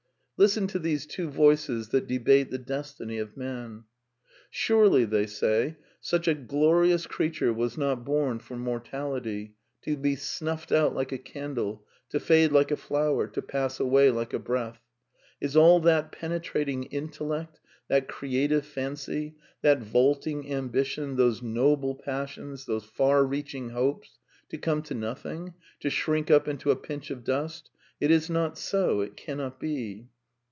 Listen to these two voices that debate the destiny of man: " Surely, th^ say, such a glorious creature was not bom for mortality, to be snufPed out like a candle, to fade like a flower, to pass away like a breath. Is all that penetrating intellect, that creative fancy, that vaulting ambition, those noble pas sions, those far reaching hopes, to come to nothing, to shrink up into a pinch of dust? It is not so; it cannot be.